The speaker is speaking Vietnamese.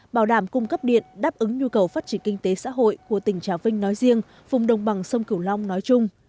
bảo đảm cung cấp điện đáp ứng nhu cầu phát triển kinh tế xã hội của tỉnh trà vinh nói riêng vùng đồng bằng sông cửu long nói chung